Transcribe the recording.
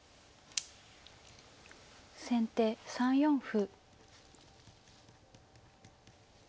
先手３四歩。